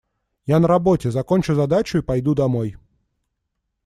Я на работе, закончу задачу и пойду домой.